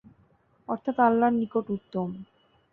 অর্থাৎ আল্লাহর নিকট উত্তম।